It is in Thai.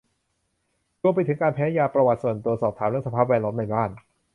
รวมไปถึงการแพ้ยา ประวัติส่วนตัว สอบถามเรื่องสภาพแวดล้อมในบ้าน